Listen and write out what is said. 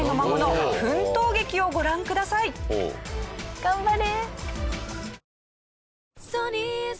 頑張れ！